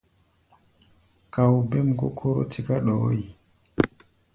Káu̧u̧, bêm kó Kóró tiká sɛ̌n ɗɔɔ́ yi.